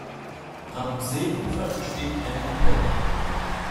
Am Seeufer steht eine Kapelle.